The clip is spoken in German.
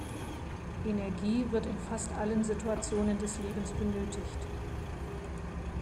Energie wird in fast allen Situationen des Lebens benötigt.